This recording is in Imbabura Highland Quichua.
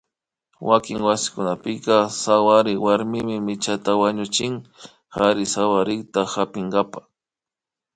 Wakin wasikunapika sawary warmimi michata wañuchin kari sawarikta hapinkapa